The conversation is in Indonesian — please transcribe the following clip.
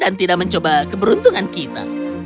dan tidak mencoba keberuntungan kita